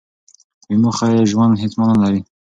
بې موخې ژوند هېڅ مانا نه لري.